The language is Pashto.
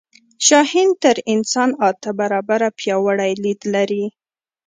شاهین تر انسان اته برابره پیاوړی لید لري